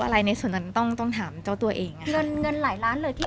อะไรในส่วนนั้นต้องต้องถามเจ้าตัวเองอ่ะเงินเงินหลายล้านเลยที่